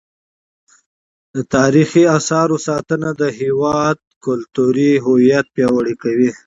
د تاریخي اثارو ساتنه د هیواد کلتوري هویت پیاوړی کوي.